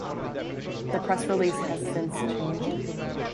The press release has since changed.